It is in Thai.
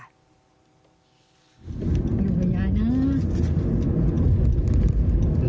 อยู่กับยายนะ